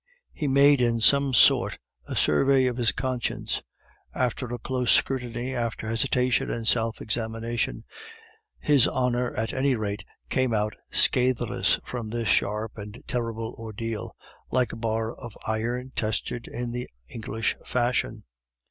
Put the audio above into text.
He made in some sort a survey of his conscience. After a close scrutiny, after hesitation and self examination, his honor at any rate came out scatheless from this sharp and terrible ordeal, like a bar of iron tested in the English fashion.